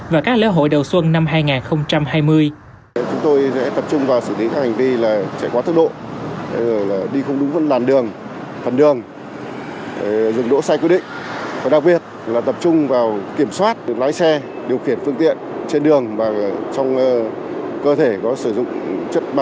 và các lễ hội đầu xuân năm hai nghìn hai mươi